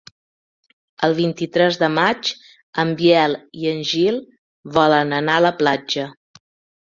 El vint-i-tres de maig en Biel i en Gil volen anar a la platja.